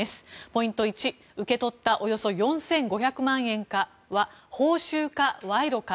ポイント１受け取ったおよそ４５００万円は報酬か賄賂か。